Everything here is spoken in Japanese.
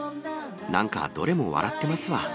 なんかどれも笑ってますわ。